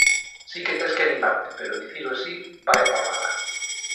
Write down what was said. Si que tes que animarte, pero dicilo así, vaia parvada.